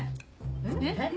えっ？